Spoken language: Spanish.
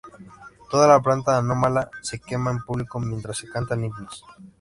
Toda planta anómala se quema en público mientras se cantan himnos.